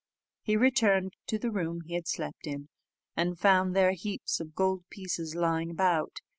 He returned to the room he had slept in, and found there heaps of gold pieces lying about.